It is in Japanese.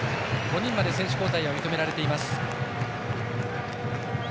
５人まで選手交代が認められています。